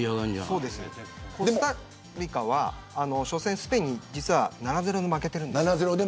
コスタリカは初戦、スペインに７−０で負けてるんですね。